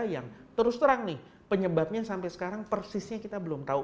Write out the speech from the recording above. yang terus terang nih penyebabnya sampai sekarang persisnya kita belum tahu